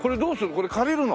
これ借りるの？